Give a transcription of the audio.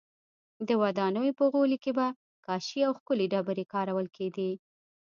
د ودانیو په غولي کې به کاشي او ښکلې ډبرې کارول کېدې